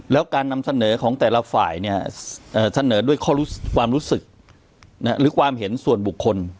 แล้วการนำเสนอของแต่ละฝ่ายเสนอด้วยข้อความรู้สึกหรือความเห็นส่วนบุคคล